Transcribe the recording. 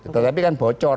tetapi kan bocor